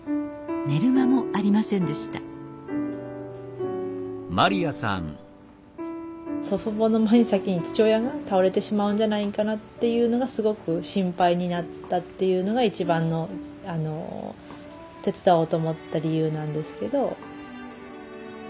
寝る間もありませんでした祖父母の前に先に父親が倒れてしまうんじゃないんかなっていうのがすごく心配になったっていうのが一番の手伝おうと思った理由なんですけど。